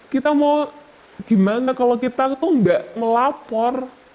kita mau gimana kalau kita itu tidak melapor